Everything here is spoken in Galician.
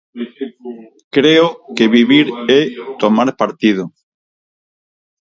Creo que vivir é tomar partido.